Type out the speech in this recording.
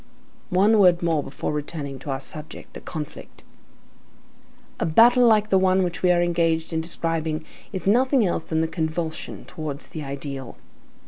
One word more before returning to our subject, the conflict. A battle like the one which we are engaged in describing is nothing else than a convulsion towards the ideal.